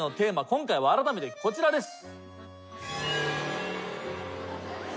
今回はあらためてこちらです。